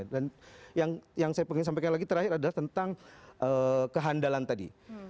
dan yang saya ingin sampaikan lagi terakhir adalah tentang kehandalan tadi